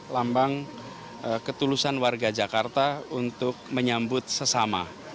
lambang ketulusan warga jakarta untuk menyambut sesama